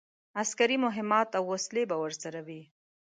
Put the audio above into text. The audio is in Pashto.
عسکري مهمات او وسلې به ورسره وي.